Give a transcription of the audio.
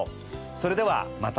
それではまた。